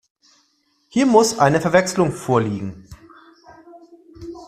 Hier muss eine Verwechslung vorliegen.